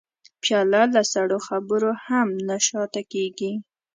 پیاله له سړو خبرو هم نه شا ته کېږي.